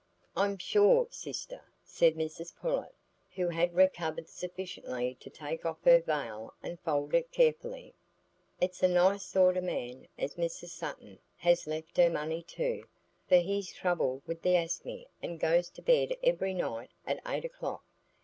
"I'm sure, sister," said Mrs Pullet, who had recovered sufficiently to take off her veil and fold it carefully, "it's a nice sort o' man as Mrs Sutton has left her money to, for he's troubled with the asthmy, and goes to bed every night at eight o'clock.